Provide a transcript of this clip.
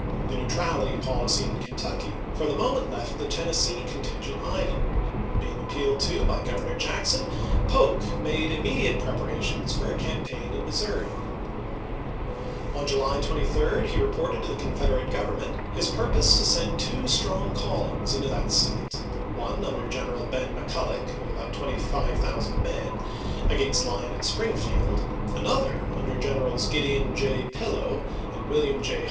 The neutrality policy in Kentucky for the moment left the Ten nessee contingent idle. Being appealed to by Gov ernor Jackson, Polk made immediate preparations for a campaign in Missouri. On July 23 he reported to the Confederate Government his purpose to send 400 ABKAHAM LINCOLN ch. XXIII. two strong columns into that State — one under General Ben. McCulloeh, of about 25,000 men, against Lyon at Springfield ; another, under Gen erals Gideon J. Pillow and William J.